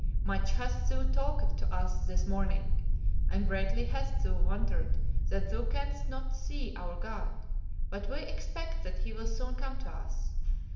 'Much hast thou talked to us this morning, and greatly hast thou wondered that thou canst not see our God; but we expect that he will soon come to us.